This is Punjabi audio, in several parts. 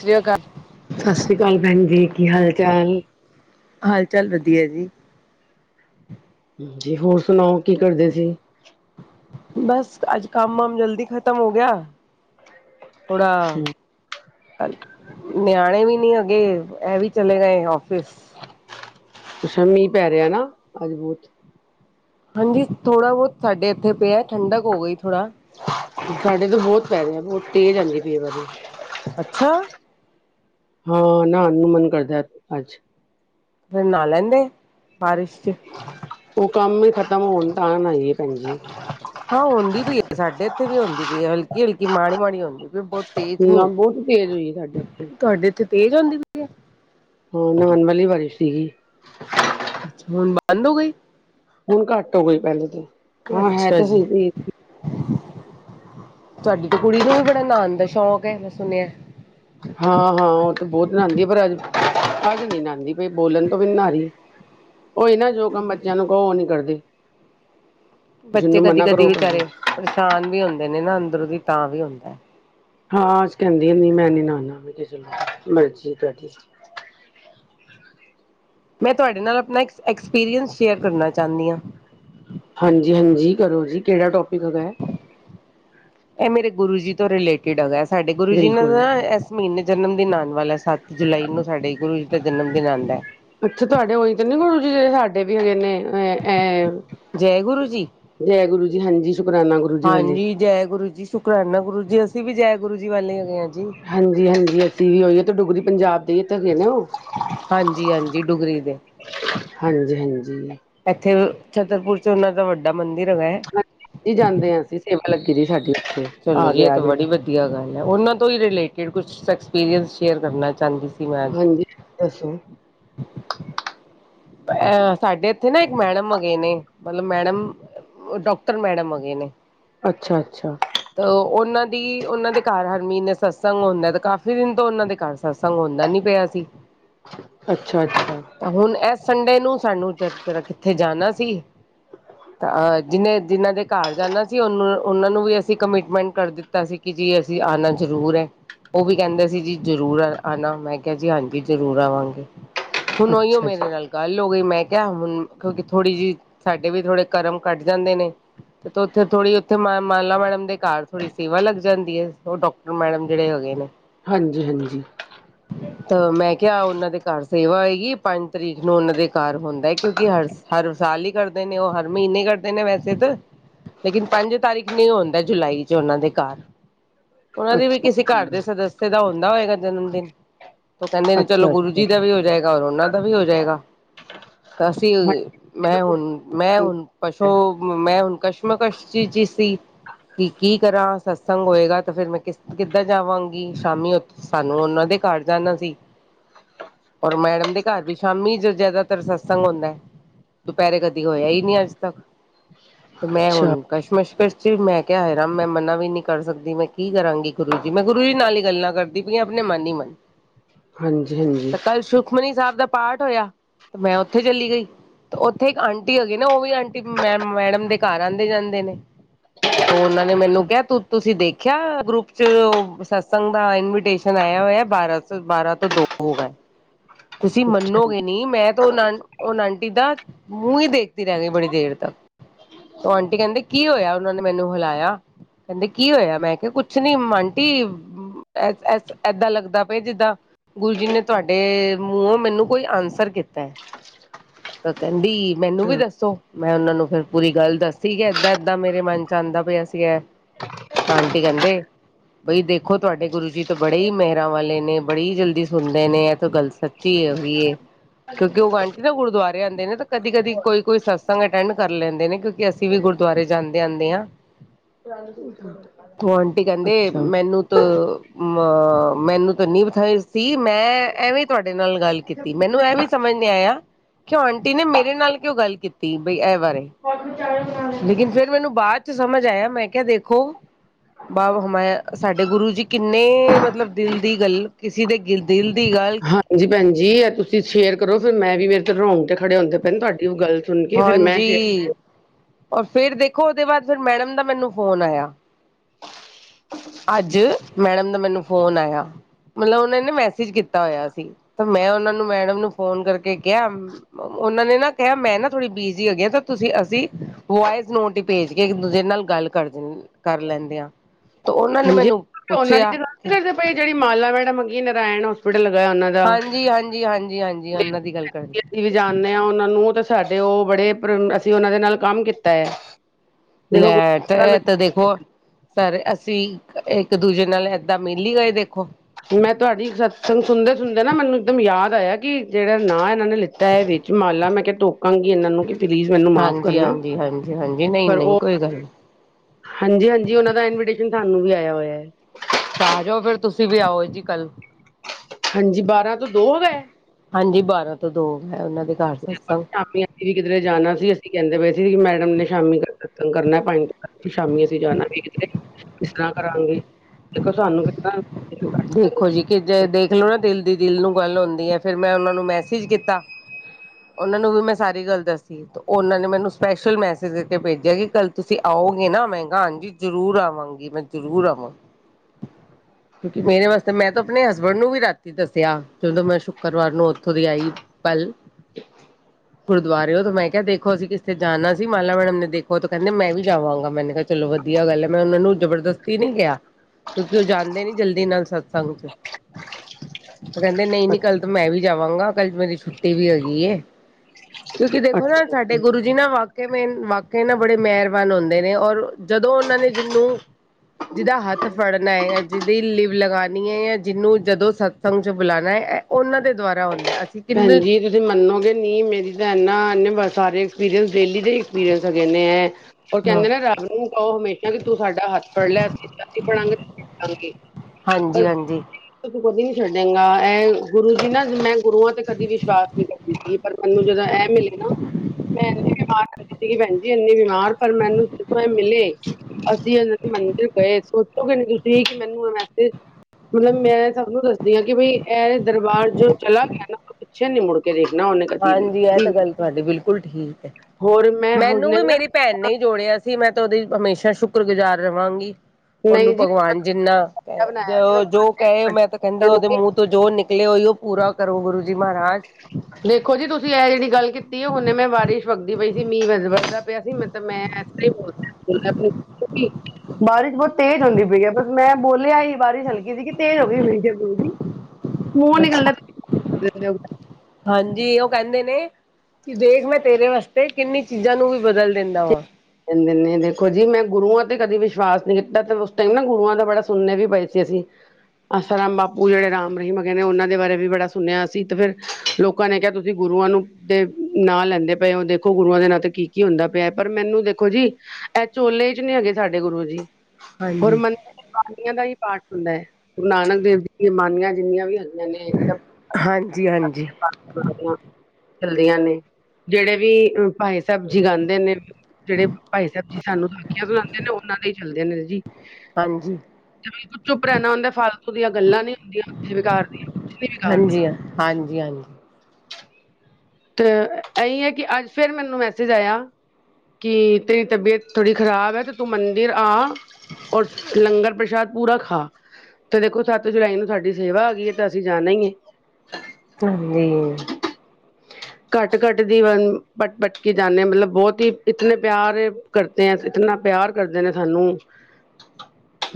ਸ੍ਰੀ ਅਕਾਲ। ਸਤਿ ਸ੍ਰੀ ਕਾਲ ਭੈਨ ਜੀ ਕੀ ਹਾਲ ਚਾਲ। ਹਾਲ ਚਾਲ ਵਧੀਆ ਜੀ। ਜੀ ਹੋਰ ਸੁਨਾਓ ਕੀ ਕਰਦੇ ਸੀ। ਬਸ ਅੱਜ ਕੰਮ ਵਮ ਜਲਦੀ ਖ਼ਤਮ ਹੋ ਗਿਆ। ਥੋੜਾ। ਘਰ ਨਿਆਣੇ ਵੀ ਨੀ ਹਗੇ ਇਹ ਵੀ ਚਲੇ ਗਏ ਔਫਿਸ। ਅੱਛਾ ਮੀਂਹ ਪੈ ਰਿਹਾ ਨਾ ਅੱਜ ਬੋਤ। ਹਾਂਜੀ ਥੋੜ੍ਹਾ ਬੋਤ ਸਾਡੇ ਇੱਥੇ ਪਿਆ ਠੰਡਕ ਹੋ ਗਈ ਥੋੜਾ। ਸਾਡੇ ਤੇ ਬੋਤ ਪੈ ਰਿਆ ਬਹੁਤ ਤੇਜ਼ ਆਂਦੀ ਪਈ ਏ ਬਾਰਿਸ਼। ਅੱਛਾ। ਹਾਂ ਨਾਂਹਣ ਨੂੰ ਮਨ ਕਰਦਾ ਅੱਜ। ਫੇਰ ਨਾਹ ਲੈਂਦੇ ਬਾਰਿਸ਼ ਚ। ਉਹ ਕੰਮ ਹੀ ਖਤਮ ਹੋਣ ਤਾਂ ਨਾਹਿਏ ਭੈਨ ਜੀ। ਹਾਂ ਹੋਂਦੀ ਪਈ ਏ ਸਾਡੇ ਇੱਥੇ ਵੀ ਹੋਂਦੀ ਪਈ ਏ ਹਲਕੀ ਹਲਕੀ ਮਾੜੀ ਮਾੜੀ ਹੋਂਦ ਬਹੁਤ ਤੇਜ਼ ਨੀ ਨਾ ਬਹੁਤ ਤੇਜ਼ ਹੋਈ ਸਾਡੇ ਇੱਥੇ ਹੈਗੀ ਤੁਹਾਡੇ ਇੱਥੇ ਤੇਜ਼ ਆਂਦੀ ਪਈ। ਹਾਂ ਨਹਾਣ ਵਾਲੀ ਬਾਰਿਸ਼ ਸੀਗੀ। ਅੱਛਾ ਹੁਣ ਬੰਦ ਹੋ ਗਈ ਹੁਣ ਘੱਟ ਹੋ ਗਈ ਪਹਿਲੇ ਤੋਂ ਅੱਛਾ ਜੀ। ਤੁਹਾਡੀ ਤੇ ਕੁੜੀ ਨੂੰ ਵੀ ਬੜਾ ਨਾਹਨ ਦਾ ਸ਼ੌਕ ਏ ਮੈਂ ਸੁਨਿਆ। ਹਾਂ ਹਾਂ ਉਹ ਤਾਂ ਬੋਤ ਨਹਾਂਦੀ ਹੈ ਪਰ ਅੱਜ ਅੱਜ ਨਹੀਂ ਨਹਾਂਦੀ ਪਈ ਬੋਲਣ ਤੋਂ ਵੀ ਨੀ ਨਹਾ ਰੀ। ਉਹੀ ਨਾ ਜੋ ਕੰਮ ਬੱਚੇਆਂ ਨੂੰ ਕਹੋ ਉਹ ਨੀ ਕਰਦੀ। ਜਿਹਨੂੰ ਮਨਾ ਕਰੋ ਪਰਸ਼ਾਨ ਵੀ ਹੁੰਦੇ ਨੇ ਨਾ ਅੰਦਰੋਂ ਦੀ ਤਾਂ ਵੀ ਹੁੰਦਾ। ਹਾਂ ਅੱਜ ਕਹਿੰਦੀ ਨਈ ਮੈਂ ਨੀ ਨਹਾਨਾ ਚਲੋ ਮਰਜ਼ੀ ਤੁਹਾਡੀ। ਮੈਂ ਤੁਹਾਡੇ ਨਾਲ ਅਪਨਾ ਇੱਕ ਐਕਸਪੀਰੀਅੰਸ ਸ਼ੇਅਰ ਕਰਨਾ ਚਾਹਨੀ ਆ। ਹਾਂਜੀ ਹਾਂਜੀ ਕਰੋ ਜੀ ਕਿਹੜਾ ਟੋਪ ਪਖ ਗ ਹੈ [unintelligible] ਇਹ ਮੇਰੇ ਗੁਰੂ ਜੀ ਤੋਂ ਰਿਲੇਟਿਡ ਹੈਗਾ ਸਾਡੇ ਗੁਰੂ ਜੀ ਨਾਲ ਬਿਲਕੁਲ ਨਾ ਏਸ ਮਹੀਨੇ ਜਨਮ ਦਿਨ ਆਨ ਵਾਲਾ ਸੱਤ ਜੁਲਾਈ ਨੂੰ ਸਾਡੇ ਗੁਰੂ ਜੀ ਦਾ ਜਨਮ ਦਿਨ ਆਂਦਾ। ਅੱਛਾ ਤੁਹਾਡੇ ਉਹੀ ਤੇ ਨੀ ਗੁਰੂ ਜੀ ਜਿਹੜੇ ਸਾਡੇ ਵੀ ਹੈਗੇ ਨੇ ਇਹ ਜੈ ਗੁਰੂ ਜੀ ਜੈ ਗੁਰੂ ਜੀ ਹਾਂਜੀ ਸ਼ੁਕਰਾਨਾ ਗੁਰ ਹਾਂਜੀ ਜੈ ਗੁਰੂ ਜੀ ਸ਼ੁਕਰਾਨਾ ਗੁਰੂ ਜੀ ਅਸੀਂ ਵੀ ਜੈ ਗੁਰੂ ਜੀ ਵਾਲੇ ਹੈਗੇ ਆ ਜੀ। ਹਾਂਜੀ ਹਾਂਜੀ ਅਸੀਂ ਵੀ ੳਈੳ ਤੇ ਡੁਗਰੀ ਪੰਜਾਬ ਦੇ ਹੀ ਤਾਂ ਹੈਗੇ ਨਾ। ਹਾਂਜੀ ਹਾਂਜੀ ਡੁਗਰੀ ਦੇ। ਹਾਂਜੀ ਹਾਂਜੀ। ਇੱਥੇ ਛਤਰਪੁਰ ਚ ਉਹਨਾ ਦਾ ਵੱਡਾ ਮੰਦਿਰ ਹੈਗਾ। ਜੀ ਜਾਂਦੇ ਆ ਅਸੀਂ ਸੇਵਾ ਲੱਗੀ ਜਹੀ ਸਾਡੀ ਉੱਥੇ। ਚਲੋ ਆ ਜੀ ਇਹ ਗਿਆ ਤਾਂ ਅੱਜ ਬੜੀ ਵਧੀਆ ਗੱਲ ਹੈ ਉਹਨਾਂ ਤੋਂ ਹੀ ਰਿਲੇਟਿਡ ਕੁਛ ਐਕਸਪੀਰੀਅੰਸ ਸ਼ੇਅਰ ਕਰਨਾ ਚਾਂਦੀ। ਹਾਂਜੀ ਦੱਸੋ ਅਹ ਸਾਡੇ ਇੱਥੇ ਨਾ ਇੱਕ ਮੈਡਮ ਹਗੇ ਨੇ ਮਤਲਬ ਮੈਡਮ ਓਹ ਡਾਕਟਰ ਮੈਡਮ ਹਗੇ ਨੇ ਅੱਛਾ-ਅੱਛਾ। ਤ ਉਹਨਾਂ ਦੀ, ਉਹਨਾਂ ਦੇ ਕਾਰ ਹਰ ਮਹੀਨੇ ਸਤਸੰਗ ਹੁੰਦਾ ਐ, ਤੇ ਕਾਫੀ ਦਿਨ ਤੋਂ ਉਹਨਾਂ ਦੇ ਕਾਰ ਸਤਸੰਗ ਹੁੰਦਾ ਨਈ ਪਿਆ ਸੀ। ਅੱਛਾ-ਅੱਛਾ। ਤਾਂ ਹੁਣ ਏਸ ਸੰਡੇ ਨੂੰ ਸਾਨੂੰ ਤਰ ਤਰਾਂ ਕਿੱਥੇ ਜਾਣਾ ਸੀ [inaudible] ਅਹ ਜਿਹਨੇ ਜਿਨ੍ਹਾਂ ਦੇ ਕਾਰ ਜਾਨਾ ਸੀ ਉਹਨੂੰ, ਉਹਨਾਂ ਨੂੰ ਵੀ ਅਸੀਂ ਕਮਿਟਮੈਂਟ ਕਰ ਦਿੱ ਤਾ ਸੀ ਕਿ ਜੀ ਅਸੀਂ ਆਣਾ ਜ਼ਰੂਰ ਹੈ। ਉਹ ਵੀ ਕੇਹੰਦੇ ਸੀ ਜੀ ਜਰੂਰ ਅ ਆਣਾ, ਮੈਂ ਕੇਆ ਜੀ ਹਾਂਜੀ ਜ਼ਰੂਰ ਆਵਾਂਗੇ। ਹੁਣ ਓਈਓ ਅੱਛਾ ਜੀ ਮੇਰੇ ਨਾਲ ਗੱਲ ਹੋ ਗਈ, ਮੈਂ ਕੇਹਾ ਹੁਣ ਕਿਉਂਕਿ ਥੋੜ੍ਹੀ ਜਿਹੀ ਸਾਡੇ ਵੀ ਥੋੜੇ ਕਰਮ ਕੱਟ ਜਾਂਦੇ ਨੇ। ਤੇ ਉੱਥੇ ਥੋੜੀ ਉੱਥੇ ਮ ਮਾਲਾ ਮੈਡਮ ਦੇ ਕਾਰ ਥੋੜੀ ਸੇਵਾ ਲਗ ਜਾਂਦੀ ਹੈ, ਉਹ ਡੋਕ ਮੈਡਮ ਜੇਹੜੇ ਹੈਗੇ ਨੇ। ਹਾਂਜੀ-ਹਾਂਜੀ। ਤ ਮੈਂ ਕੇਹਾ ਉਹਨਾਂ ਦੇ ਕਾਰ ਸੇਵਾ ਹੋਏਗੀ ਪਾਂਜ ਤਰੀਕ। ਹੁਣ ਉਹਨਾਂ ਦੇ ਕਾਰ ਹੁੰਦਾ ਹੈ ਕਿਉਂਕਿ ਹਰ ਸ ਹਰ ਸਾਲ ਹੀ ਕਰਦੇ ਨੇ ਉਹ, ਹਰ ਮਹੀਨੇ ਕਰਦੇ ਨੇ ਵੈਸੇ ਤ। ਲੇਕਿਨ ਪਾਂਜ ਤਾਰੀਖ ਨੂੰ ਹੀ ਹੁੰਦਾ ਏ ਜੁਲਾਈ ਚ ਉਹਨਾਂ ਦੇ ਕਾਰ। ਉਹਨਾਂ ਦੇ ਵੀ ਕਿਸੀ ਅੱਛਾ ਕਾਰ ਦੇ ਸਦੱਸਯ ਦਾ ਹੁੰਦਾ ਹੋਏਗਾ ਜਨਮ ਦਿਨ। ਤੇ ਉਹ ਕੇਹੰਦੇ ਨੇ ਚਲੋ ਅੱਛਾ ਗੁਰੂ ਅੱਛਾ ਜੀ ਦਾ ਵੀ ਹੋ ਜਾਏਗਾ ਔਰ ਉਹਨਾਂ ਦਾ ਵੀ ਹੋ ਜਾਏਗਾ। ਤਾਂ ਅਸੀਂ ਹਾਂਜੀ ਇਹ ਤਾਂ ਮੈਂ ਹੁਣ ਮੈਂ ਬੋਲਣ ਹੁਣ ਪਸ਼ੋ ਹੈ। ਮੈਂ ਹੁਣ ਕਸ਼ਮਕਸ਼ ਚੀ-ਚੀ ਸੀ। ਕਿ ਕੀ ਕਰਾਂ, ਸਤਸੰਗ ਹੋਏਗਾ ਤਾਂ ਫਿਰ ਮੈਂ ਕਿਸ ਕਿੱਧਾਂ ਜਾਵਾਂਗੀ? ਸ਼ਾਮੀ ਉੱਥ ਸਾਨੂੰ ਉਹਨਾਂ ਦੇ ਕਾਰ ਜਾਣਾ ਸੀ, ਔਰ ਮੈਡਮ ਦੇ ਕਾਰ ਵੀ ਸ਼ਾਮੀ ਜ ਜੇਦਾਤਰ ਸਤਸੰਗ ਹੁੰਦਾ ਹੈ, ਦੁਪਹਿਰੇ ਕਦੀ ਹੋਇਆ ਈ ਨਈ ਅੱਜ ਤੱਕ। [inaudible] ਤੇ ਮੈਂ ਹੁਣ ਕਸ਼ ਮਸ਼ਕਸ਼ ਚ ਮੈਂ ਕੇਆ ਹਾਏ ਰਾਮ ਮੈਂ ਮਨਾ ਵੀ ਨਹੀਂ ਕਰ ਸਕਦੀ, ਮੈਂ ਕੀ ਕਰਾਂਗੀ? ਗੁਰੂ ਜੀ, ਮੈਂ ਗੁਰੂ ਜੀ ਨਾਲ ਈ ਗੱਲਾਂ ਕਰਦੀ ਪਈਆਂ ਆਪਣੇ ਮਨ ਹੀ ਮਨ। [inaudible] ਹਾਂਜੀ ਤੇ ਕੱਲ ਸ਼ੁਖਮਨੀ ਸਾਬ ਦਾ ਪਾਠ ਹੋਏਆ, ਤੇ ਮੈਂ ਉੱਥੇ ਚੱਲੀ ਗਈ। ਉੱਥੇ ਇੱਕ ਆਂਟੀ ਹੈਗੀ ਨਾ, ਉਹ ਵੀ ਆਂਟੀ ਮੇਮ ਮੈਡਮ ਦੇ ਕਾਰ ਆਂਦੇ ਜਾਂਦੇ ਨੇ। ਤੋਂ ਉਹਨਾਂ ਨੇ ਮੈਨੂੰ ਅੱਛਾ ਕੇਆ, ਤੁ ਤੁਸੀਂ ਦੇਖਿਆ ਗਰੁੱਪ ਚ ਉਹ ਸਤਸੰਗ ਦਾ ਇਨਵੀਟੇਸ਼ ਨ ਆਏਆ ਹੋਏਆ ਬਾਰਾਂ ਸੋ, ਬਾਰਾਂ ਤੋਂ ਦੋ ਹੋ ਗੇ। ਜੀ ਮੰਨੋਗੇ ਨੀ, ਮੈਂ ਤੋਂ ਔਨ ਆਨ, ਔਨ ਆਂਟੀ ਦਾ ਮੂੰਹ ਈ ਦੇਖਤੀ ਰੇਹ ਗਈ ਬੜੀ ਦੇਰ ਤੱਕ। ਉਹ ਆਂਟੀ ਕੇਹੰਦੇ ਕੀ ਹੋਏਆ? ਉਹਨਾਂ ਨੇ ਮੈਨੂੰ ਹਿਲਾਏਆ ਕੇਹੰਦੇ ਕੀ ਹੋਏਆ? ਮੈਂ ਕੇਆ ਕੁਛ ਨੀ ਮ ਆਂਟੀ ਏਸ-ਏਸ ਏਦਾਂ ਲੱਗਦਾ ਪੇਆ ਜਿੱਦਾਂ ਗੁਰੂ ਜੀ ਨੇ ਤੁਹਾਡੇ ਮੂੰਓ ਮੈਨੂੰ ਕੋਈ ਆਂਸਰ ਕੀਤਾ ਹੈ। [inaudible] ਤਾਂ ਕੇਹੰਦੀ ਮੈਨੂੰ ਵੀ ਅੱਛਾ ਦੱਸੋ, ਮੈਂ ਉਹਨਾਂ ਨੂੰ ਫੇਰ ਪੂਰੀ ਗੱਲ ਦੱਸੀ, ਕਿ ਏਦਾਂ-ਏਦਾਂ ਮੇਰੇ ਮਨ ਚ ਜਾਂਦਾ ਬੇਆ ਸੀ ਏਹ, ਤਾਂ ਕਾਂਟੀ ਕੇਹੰਦੇ ਬਈ ਦੇਖੋ ਤੁਹਾਡੇ ਗੁਰੂ ਜੀ ਤੇ ਬੜੇ ਈ ਮੇਹਰਾਂ ਵਾਲੇ ਨੇ, ਬੜੀ ਈ ਜਲਦੀ ਸੁਣਦੇ ਨੇ, ਏਹ ਤਾਂ ਗੱਲ ਸ ਚੀ ਹੋ ਗਈ ਏ। ਕਿਉਂਕਿ ਉਹ ਗਾਂਟੀ ਨਾ ਗੁਰਦੁਆਰੇ ਆਂਦੇ ਨੇ ਤੇ ਕਦੀ-ਕਦੀ, ਕੋਈ-ਕੋਈ ਸਤਸੰਗ ਅਟੈਂਡ ਕਰ ਲੈਂਦੇ ਨੇ, ਕਿਉਂ ਕਿ ਅਸੀਂ ਵੀ ਗੁਰਦੁਆਰੇ ਜਾਂਦੇ ਆਂਦੇ ਆ। [unintelligible] ਓ ਆਂਟੀ ਕੈਂਦੇ ਅੱਛਾ ਮੈਨੂੰ ਤ ਅ ਮੈਨੂੰ ਤੋ ਨੀ ਬਥਾਈ ਸੀ ਮੈਂ ਐਵੀਂ ਤੁਆਡੇ ਨਾਲ ਗੱਲ ਕੀਤੀ ਮੈਨੂੰ ਐ ਵੀਂ ਸਮਝ ਨੀ ਆਇਆ ਕਿ ਆਂਟੀ ਨੇ ਮੇਰੇ ਨਾਲ ਕਿਓਂ ਗੱਲ ਕੀਤੀ ਬਈ ਏਹ ਬਾਰੇ। ਮੰਮੀ ਚਾਏ ਬਨਾ ਦੇ। ਲੇਕਿਨ ਫੇਰ ਮੈਨੂੰ ਬਾਦ ਚ ਸਮਝ ਆਏਆ ਮੈਂ ਕਿਆ ਦੇਖੋ ਬਾਵ ਹਮਾਇ ਸਾਡੇ ਗੁਰੂ ਜੀ ਕਿੰਨੇ ਮਤਲਬ ਦਿਲ ਦੀ ਗੱਲ ਕਿਸੀ ਦੇ ਦਿਲ-ਦਿਲ ਦੀ ਗੱਲ ਹਾਂਜੀ ਭੈਨਜੀ ਏ ਤੁਸੀਂ ਸ਼ੇਅਰ ਕਰੋ ਫਿਰ ਮੈਂ ਵੀ ਮੇਰੇ ਤੇ ਰੌਂਗਟੇ ਖੜੇ ਹੁੰਦੇ ਪਏ ਨੇ ਤੁਆਡੀ ਓ ਗੱਲ ਸੁਨ ਕੇ ਫੇਰ ਮੈਂ ਹਾਂਜੀ ਫੇਰ ਔਰ ਫੇਰ ਦੇਖੋ ਓਦੇ ਬਾਦ ਫਿਰ ਮੈਡਮ ਦਾ ਮੈਨੂੰ ਫੋਨ ਆਏਆ। ਅੱਜ ਮੈਡਮ ਦਾ ਮੈਨੂੰ ਫੋਨ ਆਇਆ। ਮਤਲਬ ਓਨਾਂ ਨੇ ਮੈਸੇਜ ਕੀਤਾ ਹੋਇਆ ਸੀ ਤੇ ਮੈਂ ਓਨਾਂ ਨੂੰ ਮੈਡਮ ਨੂੰ ਫੋਨ ਕਰਕੇ ਕਿਆ ਓਨਾਂ ਨੇ ਨਾ ਕਿਆ ਮੈਂ ਨਾ ਥੋੜੀ ਬਿਜੀ ਹੋਗੀ ਆਂ ਤਾਂ ਤੁਸੀਂ ਅਸੀਂ ਵੁਆਇਸ ਨੋਟ ਭੇਜ ਕੇ ਇੱਕ ਦੂਜੇ ਨਾਲ ਗੱਲ ਕਰ ਲੈ ਕਰ ਲੈਂਨੇ ਆਂ। ਹਾਂਜੀ ਓਨਾਂ ਦੀ ਗੱਲ ਨੀ ਕਰਦੇ ਪਏ ਜੇੜੀ ਮਾਲਾ ਮੈਡਮ ਹੈਗੀ ਨਰਾਇਣ ਹੋਸਪਿਟਲ ਲਗਾਇਆ ਓਨਾਂ ਨੇ। ਹਾਂਜੀ-ਹਾਂਜੀ-ਹਾਂਜੀ-ਹਾਂਜੀ ਓਨਾਂ ਦੀ ਗੱਲ ਕਰ ਤੇ ਅਸੀਂ ਵੀ ਜਾਨਨੇ ਆਂ ਓਨਾਂ ਨੂੰ ਤੇ ਸਾਡੇ ਓ ਬੜੇ ਅਸੀਂ ਓਨਾਂ ਦੇ ਨਾਲ ਕੰਮ ਕੀਤਾ ਐ। ਲੈਟ ਤ ਦੇਖੋ ਘਰ ਅਸੀਂ ਇੱਕ ਦੂਜੇ ਨਾਲ ਏਦਾਂ ਮਿਲ ਈ ਗਏ ਦੇਖੋ। ਮੈਂ ਤੁਆਡੀ ਸਤਸੰਗ ਸੁਨਦੇ-ਸੁਨਦੇ ਨਾ ਮੈਨੂੰ ਇੱਕਦਮ ਯਾਦ ਆਇਆ ਕਿ ਜਿਹੜਾ ਨਾਂ ਏਨਾਂ ਨੇ ਲਿ- ਤਾ ਏ ਵਿੱਚ ਮਾਲਾ ਮੈਂ ਕਿਆ ਟੋਕਾਂਗੀ ਏਨਾਂ ਨੂੰ। ਪਲੀਜ਼ ਮੈਨੂੰ ਮਾਫ਼ ਕਰਨਾ ਹਾਂਜੀ-ਹਾਂਜੀ-ਹਾਂਜੀ-ਹਾਂਜੀ, ਨਈਂ-ਨਈਂ ਕੋਈ ਗੱਲ ਨੀ। ਹਾਂਜੀ-ਹਾਂਜੀ ਓਨਾਂ ਦਾ ਇਨਵੀਟੇਸ਼ਨ ਸਾਨੂੰ ਵੀ ਆਏਆ ਹੋਏਆ ਐ। ਤਾਂ ਆ ਜਾਓ ਫੇਰ ਤੁਸੀਂ ਵੀ ਆਓ ਜੀ ਕੱਲ। ਹਾਂਜੀ ਬਾਰਾਂ ਤੋਂ ਦੋ ਦੈ। ਹਾਂਜੀ ਬਾਰਾਂ ਤੋਂ ਦੋ ਐ ਓਨਾਂ ਦੇ। ਘਰ ਬਿਲਕੁਲ ਸਤਸੰਗ ਸ਼ਾਮੀ ਅਸੀਂ ਵੀ ਕਿਧਰੇ ਜਾਨਾ ਸੀ ਅਸੀਂ ਕੈਂਦੇ ਪਏ ਸੀ ਮੈਡਮ ਨੇ ਸ਼ਾਮੀ ਕਰ ਖ਼ਤਮ ਕਰਨਾ ਪੰਜ ਤੋਂ ਸ਼ਾਮੀ ਅਸੀਂ ਜਾਨਾ ਵੀ ਐ ਕਿਦਰੇ। ਕਿਸ ਤਰ੍ਹਾਂ ਕਰਾਂਗੇ, ਦੇਖੋ ਸਾਨੂੰ ਕਿੱਦਾਂ ਦੇਖੋ ਜੀ ਕਿ ਜੇ ਦੇਖਲੋ ਨਾ ਦਿਲ ਦੀ ਦਿਲ ਨੂੰ ਗੱਲ ਹੁੰਦੀ ਐ ਫਿਰ ਮੈਂ ਓਨਾਂ ਨੂੰ ਮੈਸੇਜ ਕੀਤਾ ਓਨਾਂ ਨੂੰ ਵੀ ਮੈਂ ਸਾਰੀ ਗੱਲ ਦੱਸੀ। ਓਨਾਂ ਨੇ ਮੈਨੂੰ ਸਪੈਸ਼ਲ ਮੈਸੇਜ ਕਰਕੇ ਭੇਜਿਆ ਕਿ ਕੱਲ ਤੁਸੀਂ ਆਓਗੇ ਨਾ ਮੈ ਕਾ ਹਾਂਜੀ। ਜ਼ਰੂਰ ਆਵਾਂਗੀ ਮੈਂ ਜ਼ਰੂਰ ਆਵਾਂਗੀ। ਕਿਓਂਕਿ ਮੇਰੇ ਵਾਸਤੇ ਮੈਂ ਤਾਂ ਆਪਨੇ ਹਸਬੈਂਡ ਨੂੰ ਵੀ ਰਾਤੀ ਦੱਸਿਆ ਜਦੋਂ ਮੈਂ ਸ਼ੁੱਕਰਵਾਰ ਨੂੰ ਓ ਓਥੋਂ ਦੀ ਆਈ ਪਲ, ਗੁਰਦੁਆਰੇ ਓ ਤੇ ਮੈਂ ਕਿਆ ਦੇਖ ਦੇਖੋ ਸੀ ਕਿਸਤੇ ਜਾਨਾ ਸੀ ਮਾਲਾ ਮੈਡਮ ਨੇ ਦੇਖੋ ਤੇ ਕੈਂਦੇ ਮੈਂ ਵੀ ਜਾਵਾਂਗਾ ਮੈਨੇ ਚਲੋ ਵਦੀਆ ਗੱਲ ਐ ਮੈਂ ਓਨਾਂ ਨੂੰ ਜਬਰਦਸਤੀ ਨੀ ਕਿਆ ਕਿਓਂਕਿ ਓ ਜਾਨਦੇ ਨੀ ਜਲਦੀ ਨਾਲ ਸਤਸੰਗ ਚ ਤੇ ਕੈਂਦੇ ਨਈ-ਨਈ ਕੱਲ ਤਾ ਮੈਂ ਵੀ ਜਾਵਾਂਗਾ ਕੱਲ ਮੇਰੀ ਛੁੱਟੀ ਵੀ ਹੈਗੀ ਏ। ਕਿਓਂਕਿ ਦੇਖੋ ਨਾ ਅੱਛਾ ਸਾਡੇ ਗੁਰੂ ਜੀ ਜਿ ਨਾ ਵਾਕਿਆ ਮੇ ਵਾਕਿਆ ਨਾ ਬੜੇ ਮਿਹਰਬਾਨ ਹੁੰਦੇ ਨੇ ਔਰ ਜਦੋਂ ਓਨਾਂ ਨੇ ਜਿਨੂੰ ਜਿਦਾ ਹੱਥ ਫੜਨਾ ਐ ਜਿਦੀ ਲਿਵ ਲਗਾਣੀ ਐ ਜਾਂ ਜਿਨੂੰ ਜਦੋਂ ਸਤਸੰਗ ਚ ਬਲਾਨਾ ਐ ਓਨਾਂ ਦੇ ਦੁਆਰਾ ਹੁੰਦਾ। ਅਸੀਂ ਕਿੰਨੇ ਭੈਨਜੀ ਤੁਸੀਂ ਮੰਨੋਗੇ ਨੀ ਮੇਰੀ ਤਾਂ ਐਨਾ ਐਨੇ ਸਾਰੇ ਐਕਸਪੀਰੀਅੰਸ ਡੇਲੀ ਦੇ ਐਕਸਪੀਰੀਅੰਸ ਹੈਗੇ ਨੇ ਐ। ਓ ਹਾਂ ਕੈਂਦੇ ਨੇ ਰੱਬ ਨੂੰ ਕਹੋ ਹਮੇਸ਼ਾ ਕਿ ਤੂੰ ਸਾਡਾ ਹੱਥ ਫੜ ਲਿਆਂ ਅਸੀਂ ਫੜਾਂਗੇ ਹਾਂਜੀ। ਹਾਂਜੀ-ਹਾਂਜੀ। ਤੇ ਤੂੰ ਕਦੀ ਨੀ ਛੱਡੇਗਾ, ਇਹ ਗੁਰੂ ਜੀ ਨਾ, ਮੈਂ ਗੁਰੂਆਂ ਤੇ ਕਦੀ ਵਿਸ਼ਵਾਸ ਨੀ ਕਰਦੀ ਸੀ, ਪਰ ਮੈਨੂੰ ਜਦੋਂ ਇਹ ਮਿਲੇ ਨਾ ਮੈਂ ਇੰਨੀ ਬਿਮਾਰ ਰਹਿੰਦੀ ਸੀਗੀ ਭੈਣ ਜੀ ਇੰਨੀ ਬਿਮਾਰ, ਪਰ ਮੈਨੂੰ ਦੇਖੋ ਇਹ ਮਿਲੇ ਅਸੀਂ ਇਹ ਮੰਦਿਰ ਗਏ, ਸੋਚੋਗੇ ਨ ਤੁਸੀਂ ਕਿ ਮੈਨੂੰ ਇਹ ਮੈਸੇਜ ਮਲਬ, ਮੈਂ ਸਭਨੂੰ ਦੱਸਦੀ ਆ ਕਿ ਬਈ ਏਹ ਦਰਬਾਰ, ਜੋ ਚਲਾ ਗਿਆ ਨਾ ਉਹ ਪਿੱਛੇ ਨੀ ਮੁੜ ਕੇ ਦੇਖਣਾ ਉਹਨੇ ਕਦੀ ਵੀ ਹਾਂਜੀ ਐਹ ਕਦੀ ਤਾਂ ਵੀ ਗੱਲ ਤੁਹਾਡੀ ਬਿਲਕੁਲ ਠੀਕ ਐ। ਹੋਰ ਮੈਂ ਮੈਨੂੰ ਹੁਣੇ ਵੀ ਨਾ ਮੇਰੀ ਭੈਣ ਨੇ ਈ ਜੋੜਿਆ ਸੀ। ਮੈਂ ਤੇ ਉਹਦੀ ਹਮੇਸ਼ਾ ਸ਼ੁਕਰ ਗੁਜ਼ਾਰ ਰਵਾਂਗੀ। ਉਹਨੂੰ ਨਹੀਂ ਜੀ ਭਗਵਾਨ ਜਿੰਨਾ ਕ ਬਣਾਇਆ ਸੀ ਜੋ-ਜੋ ਕ‌ਏ, ਭਗਵਾਨ ਮੈਂ ਤੇ ਕਹਿੰਦੀ ਨੇ ਉਹਦੇ ਮੂੰਹ ਤੋਂ ਜੋ ਨਿਕਲੇ ਓਈਓ ਪੂਰਾ ਕਰੋ, ਗੁਰੂ ਜੀ ਮਹਾਰਾਜ ਵੇਖੋ ਜੀ, ਤੁਸੀਂ ਇਹ ਜਿਹੜੀ ਗੱਲ ਕੀਤੀ ਐ, ਹੁਣੇ ਮੈਂ ਬਾਰਿਸ਼ ਵਗਦੀ ਪਈ ਸੀ, ਮੀਂ ਵੱਧਦਾ ਪਿਆ ਸੀ, ਮਤਬ ਮੈਂ ਏਥੇ। [unintelligible] ਬਾਰਿਸ਼ ਬਹੁਤ ਤੇਜ਼ ਹੁੰਦੀ ਪਈ ਐ, ਬਸ ਮੈਂ ਬੋਲਿਆ ਈ, ਬਾਰਿਸ਼ ਹਲਕੀ ਸੀ ਕਿ ਤੇਜ਼ ਹੋ ਗਈ ਹੋਈ ਹੈ ਬੋਲੀ ਮੂੰਹੋਂ ਨਿਕਲਦਾ ਤੇ। [unintelligible] ਹਾਂਜੀ ਉਹ ਕਹਿੰਦੇ ਨੇ, ਕਿ ਦੇਖ ਮੈਂ ਤੇਰੇ ਵਾਸਤੇ ਕਿੰਨੀ ਚੀਜ਼ਾਂ ਨੂੰ ਵੀ ਬਦਲ ਦਿੰਦਾ ਵਾਂ। ਦਦੇ ਨੇ, ਦੇਖੋ ਜੀ ਮੈਂ ਗੁਰੂਆਂ ਤੇ ਕਦੇ ਵਿਸ਼ਵਾਸ ਨੀ ਕੀਤਾ ਤੇ ਉਸ ਟਾਈਮ ਨਾ, ਗੁਰੂਆਂ ਦਾ ਬੜਾ ਸੁਣਨੇ ਵੀ ਪਏ ਤੇ ਅਸੀਂ ਆਸਾਰਾਮ ਬਾਪੂ, ਜਿਹੜੇ ਰਾਮ ਰਹੀਮ ਹੈਗੇ ਨੇ, ਉਹਨਾਂ ਦੇ ਬਾਰੇ ਵੀ ਬੜਾ ਸੁਣਿਆ ਸੀ ਤੇ ਫਿਰ ਲੋਕ ਲੋਕਾਂ ਨੇ ਕਿਹਾ ਤੁਸੀਂ ਗੁਰੂਆਂ ਨੂੰ ਦੇ ਨਾਂ ਲੈਂਦੇ ਪਏ ਓ, ਦੇਖੋ ਗੁਰੂਆਂ ਦੇ ਨਾਂ ਤੇ ਕੀ-ਕੀ ਹੁੰਦਾ ਪਿਆ ਪਰ ਮੈਨੂੰ ਦੇਖੋ ਜੀ, ਇਹ ਚੋਲੇ 'ਚ ਨੀ ਹੈਗੇ ਸਾਡੇ ਗੁਰੂ ਜੀ, ਹੋਰ ਹਾਂਜੀ ਮੰ ਬਾਨੀਆਂ ਦਾ ਹੀ ਪਾਠ ਹੁੰਦਾ ਐ, ਗੁਰੂ ਨਾਨਕ ਦੇਵ ਜੀ ਦੀਆਂ ਬਾਨੀਆਂ ਜਿੰਨੀਆਂ ਵੀ ਹੈ ਮੈਂਨੇ। ਹਾਂਜੀ ਹਾਂਜੀ [unintelligible] ਚੱਲਦੀਆਂ ਨੇ, ਜਿਹੜੇ ਵੀ ਭਾਈ ਸਾਹਿਬ ਜੀ ਗਾਉਂਦੇ ਨੇ ਜਿਹੜੇ ਭਾਈ ਸਾਹਿਬ ਜੀ ਸਾਨੂੰ ਰਾਖੀਆਂ ਸੁਣਾਂਦੇ ਨੇ, ਉਹਨਾਂ ਦੇ ਈ ਚੱਲਦੇ ਨੇ ਜੀ। ਹਾਂਜੀ। ਚੁੱਪ ਰਹਿਣਾ ਹੁੰਦਾ ਫਾਲਤੂ ਦੀਆਂ ਗੱਲਾਂ ਨੀ ਹੁੰਦੀਆਂ, ਉੱਥੇ ਵੀ ਕਰਦੀਆ, ਉਥੇ ਵੀ ਕਰਦੀਆ। ਹਾਂਜੀ-ਹਾਂਜੀ। ਤੇ ਐਂਈ ਐ ਕਿ ਅੱਜ ਫਿਰ ਮੈਨੂੰ ਮੈਸੇਜ ਆਇਆ ਕਿ ਤੇਰੀ ਤਬੀਅਤ ਥੋੜ੍ਹੀ ਖਰਾਬ ਐ ਤੇ ਤੂੰ ਮੰਦਿਰ ਆ ਔਰ, ਲੰਗਰ ਪ੍ਰਸ਼ਾਦ ਪੂਰਾ ਖਾ। ਤੇ ਵੇਖੋ ਸੱਤ ਜੁਲਾਈ ਨੂੰ ਸਾਡੀ ਸੇਵਾ ਆਗੀ ਏ ਤੇ ਅਸੀਂ ਜਾਨਾਂ ਈ ਨ‌ਈਂ। ਧੋਂਦੀ ਏ ਘੱਟ-ਘੱਟ ਦੀ ਪਟ-ਪਟ ਕੀ ਜਾਂਨੇ, ਮਤਲਬ ਬਹੁਤ ਈ ਇਤਨੇ ਪਿਆਰ ਕਰਤੇ ਹੈ, ਇਤਨਾ ਪਿਆਰ ਕਰਦੇ ਨੇ ਸਾਨੂੰ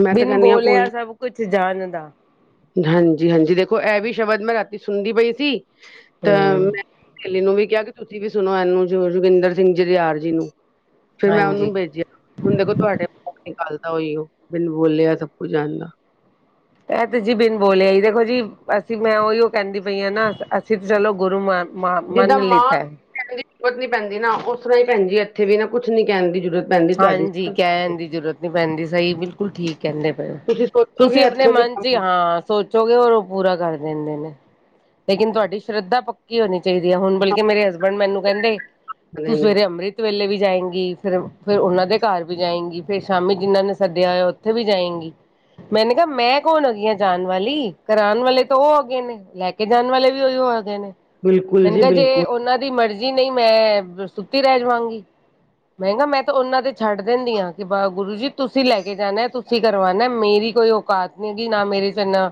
ਮੈਂ ਤਾਂ ਬਿਨ ਬੋਲਿਆ ਸਭ ਕੁਛ ਜਾਣਦਾ ਹਾਂਜੀ-ਹਾਂਜੀ ਦੇਖੋ, ਇਹ ਵੀ ਸ਼ਬਦ ਮੈਂ ਰਾਤੀ ਸੁਣਦੀ ਪਈ ਸੀ, ਤਾਂ ਹੂੰ ਮੈਂ ਸੇਲ੍ਹੀ ਨੂੰ ਵੀ ਕਿਹਾ ਕਿ ਤੁਸੀਂ ਵੀ ਸੁਣੋ ਇਹਨੂੰ, ਜੋ ਜੋਗਿੰਦਰ ਸਿੰਘ ਜਜਿਆਰ ਜੀ ਨੂੰ। ਫਿਰ ਮੈਂ ਹਾਂਜੀ। ਉਹਨੂੰ ਬੇਜਿਆ। ਹੁਣ ਦੇਖੋ, ਤੁਹਾਡੇ ਨਿਕਲਦਾ ਉਈਏ, ਬਿਨ ਬੋਲਿਆ ਸਭ ਕੁਝ ਜਾਣਦਾ ਇਹ ਤੇ ਜੀ, ਬਿਨ ਬੋਲਿਆ ਈ ਦੇਖੋ ਜੀ, ਅਸੀਂ ਮੈਂ ਉਈਉ ਕਹਿੰਦੀ ਪਈ ਆ ਨਾ, ਅਸੀਂ ਤਾਂ ਚਲੋ ਗੁਰੂ ਮਾਨ ਮ ਜਿੱਦਾਂ ਮੰਨ ਮਾਂ ਨੂੰ ਲਿੱਤਾ ਹੈ ਕਹਿਣ ਦੀ ਜ਼ਰੂਰਤ ਨੀ ਪੈਂਦੀ ਨਾ, ਉਸ ਤਰ੍ਹਾਂ ਈ ਭੈਣ ਜੀ ਇੱਥੇ ਵੀ ਨਾ ਕੁਛ ਨੀ ਕਹਿਣ ਦੀ ਜ਼ਰੂਰਤ। ਪੈਂਦੀ ਤੁਹਾਡੀ ਹਾਂਜੀ, ਕਹਿਣ ਦੀ ਜ਼ਰੂਰਤ ਨੀ ਪੈਂਦੀ, ਸਹੀ ਬਿਲਕੁਲ ਠੀਕ ਕਹਿੰਦੇ ਪਏ, ਤੁਸੀਂ ਸੋਚੋਗੇ ਤੁਸੀਂ ਆਪਣੇ ਇੱਥੋਂ ਦੇ ਮਨ 'ਚ ਈ ਕੰਮ ਹਾਂ ਸੋਚੋਗੇ, ਔਰ ਉਹ ਪੂਰਾ ਕਰ ਦਿੰਦੇ ਨੇ, ਲੇਕਿਨ ਤੁਹਾਡੀ ਸ਼ਰਧਾ ਪਕ ਕੀ ਹੋਣੀ ਚਾਹੀਦੀ ਹੈ ਹੁਣ ਬਲਕਿ ਮੇਰੇ ਹਸਬੈਂਡ ਮੈਨੂੰ ਕਹਿੰਦੇ ਕਰਦੇ ਤੂੰ ਨੇ ਸਵੇਰੇ ਅੰਮ੍ਰਿਤ ਅੰਮ੍ਰਿਤ ਵੇਲੇ ਵੀ ਜਾਏਂਗੀ ਫਿਰ ਫੇਰ ਉਹਨਾਂ ਦੇ ਘਰ ਵੀ ਜਾਏਗੀ, ਫੇਰ ਸ਼ਾਮੀ ਜਿਹਨਾਂ ਨੇ ਸੱਦਿਆ ਹੋਇਆ ਉੱਥੇ ਵੀ ਜਾਏਂਗੀ। ਮੈਨੇ ਕਿਹਾ ਮੈਂ ਕੌਣ ਹੁੰਦੀ ਆ ਜਾਣ ਵਾਲੀ। ਕਰਾਉਣ ਵਾਲੇ ਤਾਂ ਉਹ ਹੈਗੇ ਨੇ। ਲੈ ਕੇ ਜਾਣ ਵਾਲੇ ਵੀ ਉਹੀ ਹੈਗੇ ਨੇ ਬਿਲਕੁਲ ਮੈਨੇ ਜੀ ਕਿਹਾ ਜੇ ਬਿਲਕੁਲ ਉਹਨਾਂ ਦੀ ਮਰਜ਼ੀ ਜੀ ਨਹੀਂ ਮੈਂ। ਸੁੱਤੀ ਰਹਿ ਜਾਵਾਂਗੀ ਮੈਂ ਕਿਹਾ ਮੈਂ ਤੇ ਉਹਨਾਂ ਤੇ ਛੱਡ ਦਿੰਦੀ ਹ ਕਿ ਬਾ ਗੁਰੂ ਜੀ ਤੁਸੀਂ ਲੈ ਕੇ ਜਾਣਾ ਤੁਸੀਂ ਕਰਵਾਉਣਾ ਮੇਰੀ ਕੋਈ ਔਕਾਤ। ਕਿਉਂਕਿ ਨਾ ਮੇਰੇ ਚ' ਇਨਾ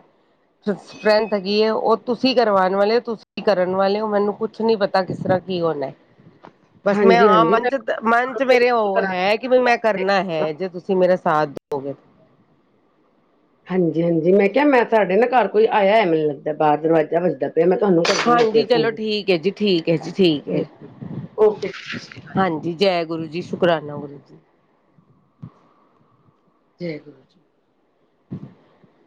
ਸਟਰੈਂਥ ਹੈਗੀ ਹੈ ਉਹ ਤੁਸੀਂ ਕਰਵਾਉਣ ਵਾਲੇ ਹੋ ਤੁਸੀਂ ਕਰਨ ਵਾਲੇ ਹੋ ਮੈਨੂੰ ਕੁਛ ਨਹੀਂ ਪਤਾ ਕਿਸ ਤਰ੍ਹਾਂ ਕੀ ਹੋਣਾ। [inaudible] ਬਸ ਮੈਂ ਹਾਂ ਹਾਂਜੀ ਮੰਚ-ਮੰਚ ਮੇਰੇ ਹੋ। ਉਹ ਹੈ ਕਿ ਬਈ ਮੈਂ ਕਰਨਾ ਹੈ। ਜੇ ਤੁਸੀਂ ਮੇਰਾ ਸਾਥ ਦੋਉਗੇ। ਹਾਂਜੀ-ਹਾਂਜੀ ਮੈਂ ਕਿਹਾ ਮੈਂ ਸਾਡੇ ਨਾ ਘਰ ਕੋਈ ਆਇਆ ਹੈ ਮੈਨੂੰ ਲੱਗਦਾ ਬਾਹਰ ਦਰਵਾਜ਼ਾ ਵਜਦਾ। ਫਿਰ ਮੈਂ ਤੁਹਾਨੂੰ ਕਰਦੀ ਹਾਂ ਹਾਂਜੀ ਫਿਰ ਚਲੋ ਫੋਨ ਠੀਕ ਹੈ ਜੀ ਠੀਕ ਹੈ ਜੀ ਠੀਕ ਹੈ ਓਕੇ। ਹਾਂਜੀ, ਜੈ ਗੁਰੂ ਜੀ, ਸ਼ੁਕਰਾਨਾ ਗੁਰੂ ਜੀ। ਜੈ ਗੁਰੂ ਜੀ। [unintelligible]